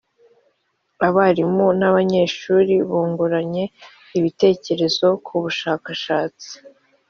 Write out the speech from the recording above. abarimu n’abanyeshuri bunguranye ibitkerezo kubushakashatsi